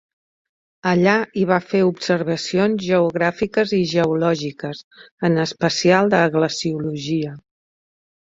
Allà hi va fer observacions geogràfiques i geològiques, en especial de glaciologia.